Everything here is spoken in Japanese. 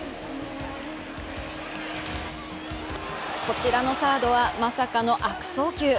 こちらのサードは、まさかの悪送球